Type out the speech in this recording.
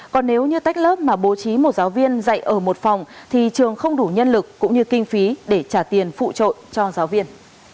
còn nếu như tách lớp mà bố trí một giáo viên dạy ở một phòng thì trường không đủ nhân lực cũng như kinh phí để trả tiền phụ trội cho giáo viên